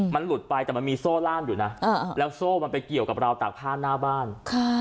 มันหลุดไปแต่มันมีโซ่ล่ามอยู่นะแล้วโซ่มันไปเกี่ยวกับราวตากผ้าหน้าบ้าน